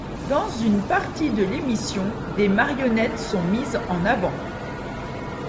Dans une partie de l'émission, des marionnettes sont mises en avant.